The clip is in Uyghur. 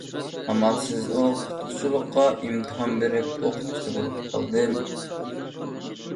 ئامالسىز ئوقۇتقۇچىلىققا ئىمتىھان بېرىپ، ئوقۇتقۇچى بولۇپ قالدىم.